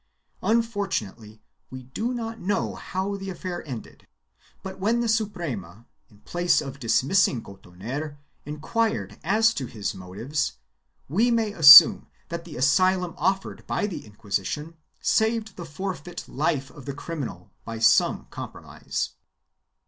2 Unfortunately we do not know how the affair ended, but when the Suprema, in place of dismissing Cotoner, inquired as to his motives, we may assume that the asylum offered by the Inquisition saved the forfeit life of the criminal by some compromise.